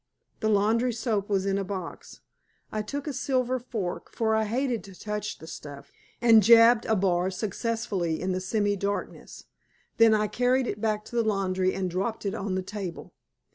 The laundry soap was in a box. I took in a silver fork, for I hated to touch the stuff, and jabbed a bar successfully in the semi darkness. Then I carried it back to the laundry and dropped it on the table.